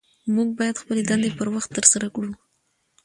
موږ باید خپلې دندې پر وخت ترسره کړو